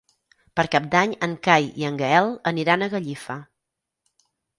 Per Cap d'Any en Cai i en Gaël aniran a Gallifa.